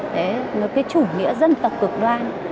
đấy nó cái chủ nghĩa dân tộc cực đoan